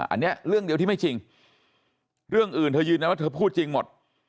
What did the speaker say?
อันนี้เรื่องเดียวที่ไม่จริงเรื่องอื่นเธอยืนยันว่าเธอพูดจริงหมด